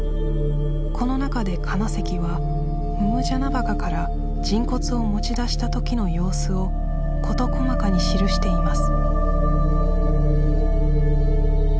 この中で金関は百按司墓から人骨を持ち出したときの様子を事細かに記しています